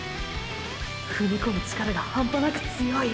踏み込む力が半端なく強い。